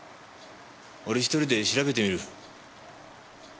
俺１人で調べてみる。